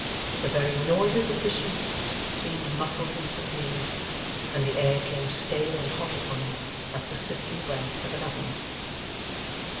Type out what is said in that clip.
The very noises of the streets seemed muffled and subdued; and the air came stale and hot upon him, like the sickly breath of an oven.